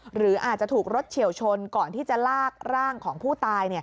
หรืออาจจะถูกรถเฉียวชนก่อนที่จะลากร่างของผู้ตาย